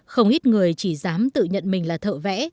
không ít người chỉ dám tự nhận mình là thợ vẽ